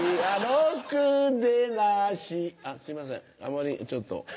あまりちょっと。